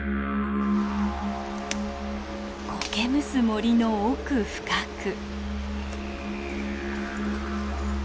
こけむす森の奥深く。